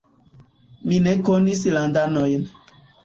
Mi ne konis landanojn.